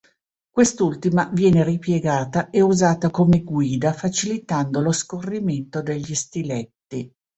Quest'ultima viene ripiegata e usata come guida facilitando lo scorrimento degli stiletti.